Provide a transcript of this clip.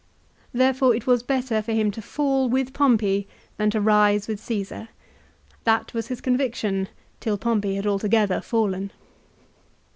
Therefore it was better for him to fall with Pompey than to rise with Caesar. That was his conviction till Pompey had altogether fallen.